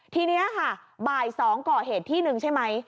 ทีนี้ค่ะบ่าย๒ก่อเหตุที่หนึ่งใช่ไหม